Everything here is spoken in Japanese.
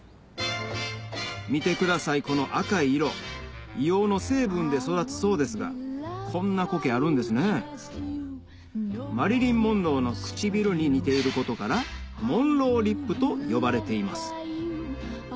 見てくださいこの赤い色硫黄の成分で育つそうですがこんなコケあるんですねの唇に似ていることからと呼ばれています